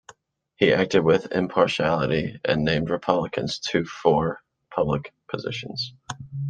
He acted with impartiality and named Republicans too for public positions.